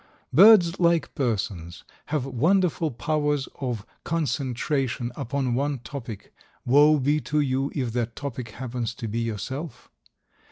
Birds, like persons, have wonderful powers of concentration upon one topic, woe be to you if that topic happens to be yourself!